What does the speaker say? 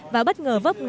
và bất ngờ vấp ngã